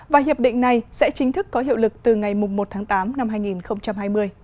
và hiệp định này sẽ chính thức có hiệu lực từ ngày một tháng tám năm hai nghìn hai mươi